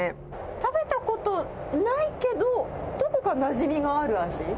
食べたことないけど、どこかなじみがある味。